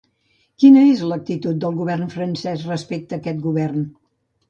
Quina és l’actitud del govern francès respecte aquest govern?